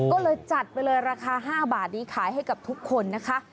ก็เลยจัดไปเลยราคา๕บาทนี้ขายให้กับทุกคนนะคะ